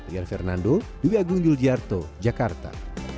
dari fernando dwi agung yuljarto jakarta